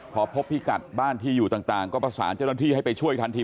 พอพบพิกัดบ้านที่อยู่ต่างก็ประสานเจ้าหน้าที่ให้ไปช่วยทันที